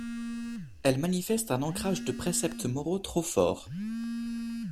Elle manifeste un ancrage de préceptes moraux trop fort